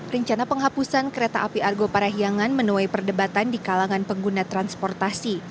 rencana penghapusan kereta api argo parahiangan menuai perdebatan di kalangan pengguna transportasi